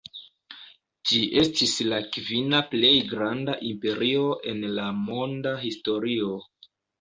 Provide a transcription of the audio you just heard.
Ĝi estis la kvina plej granda imperio en la monda historio.